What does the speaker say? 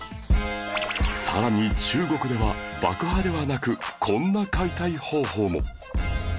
更に中国では爆破ではなくこんな解体方法も